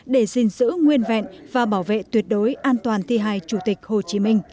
để gìn giữ nguyên vẹn và bảo vệ tuyệt đối an toàn thi hài chủ tịch